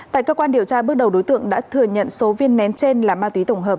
tại cơ quan điều tra bước đầu đối tượng đã thừa nhận số viên nén trên là ma túy tổng hợp